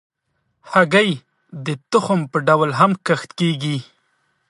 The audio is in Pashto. هګۍ د تخم په ډول هم کښت کېږي.